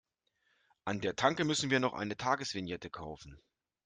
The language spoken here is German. An der Tanke müssen wir noch eine Tagesvignette kaufen.